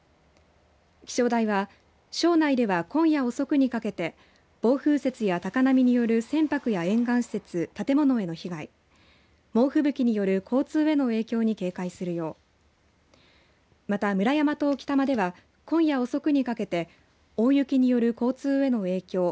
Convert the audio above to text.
気象台は、庄内では今夜遅くにかけて暴風雪や高波による船舶や沿岸施設建物への被害、猛ふぶきによる交通への影響に警戒するようまた、村山と置賜では今夜遅くにかけて大雪による交通への影響